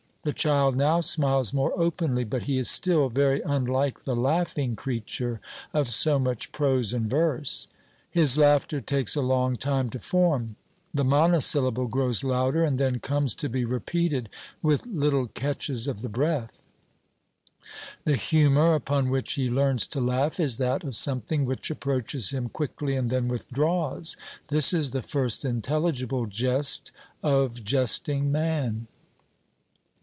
The child now smiles more openly, but he is still very unlike the laughing creature of so much prose and verse. His laughter takes a long time to form. The monosyllable grows louder, and then comes to be repeated with little catches of the breath. The humour upon which he learns to laugh is that of something which approaches him quickly and then withdraws. This is the first intelligible jest of jesting man.